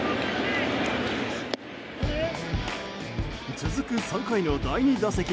続く３回の第２打席。